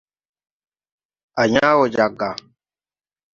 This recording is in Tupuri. Á yãã wo jag ga.